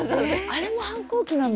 あれも反抗期なんだ。